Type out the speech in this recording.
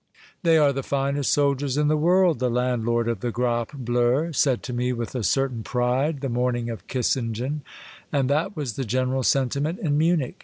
They are the finest soldiers in the world," the landlord of the Grappe Bleue said to me with a certain pride the morning of Kissingen, and that was the general sentiment in Munich.